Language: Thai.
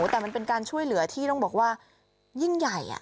แต่มันเป็นการช่วยเหลือที่ต้องบอกว่ายิ่งใหญ่